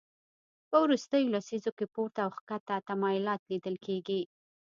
په وروستیو لسیزو کې پورته او کښته تمایلات لیدل کېږي